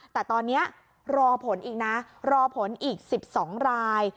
แต่ตอนนี้รอผลอีกนะรอผลอีก๑๒ราย